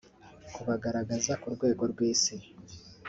kubagaragaza ku rwego rw’Isi